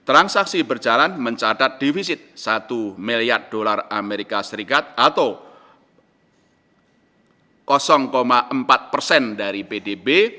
transaksi berjalan mencatat defisit satu miliar dolar amerika serikat atau empat persen dari pdb